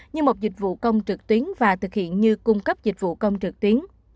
như một dịch vụ công trực tuyến và thực hiện như cung cấp dịch vụ công trực tuyến